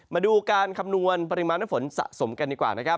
มาดูการคำนวณปริมาณฝนสะสมกันดีกว่า